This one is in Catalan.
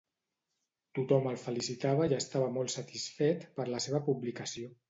Tothom el felicitava i estava molt satisfet per la seva publicació.